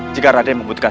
jika raden membutuhkan